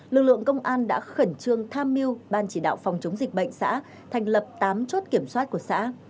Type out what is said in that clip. lực lượng công an đã khẩn trương tham mưu ban chỉ đạo phòng chống dịch bệnh xã thành lập tám chốt kiểm soát của xã